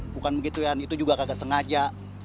bukan begitu kan itu juga kagak sengaja